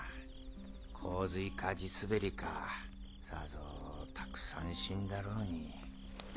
洪水か地滑りかさぞたくさん死んだろうに。